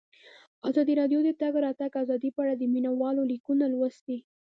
ازادي راډیو د د تګ راتګ ازادي په اړه د مینه والو لیکونه لوستي.